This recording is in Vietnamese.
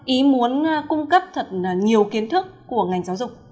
ý muốn cung cấp thật nhiều kiến thức của ngành giáo dục